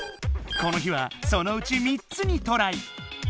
この日はそのうち３つにトライ！